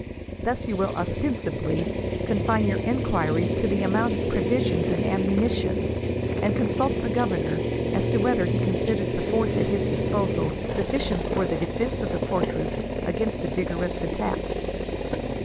Thus you will ostensibly confine your enquiries to the amount of provisions and ammunition, and consult the governor as to whether he considers the force at his disposal sufficient for the defence of the fortress against a vigorous attack.